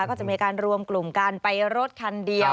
ก็จะมีการรวมกลุ่มกันไปรถคันเดียว